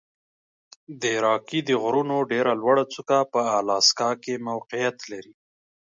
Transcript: د راکي د غرونو ډېره لوړه څوکه په الاسکا کې موقعیت لري.